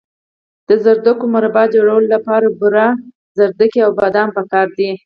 د ګازرو مربا جوړولو لپاره بوره، ګازرې او بادام پکار دي.